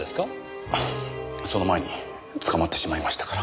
その前に捕まってしまいましたから。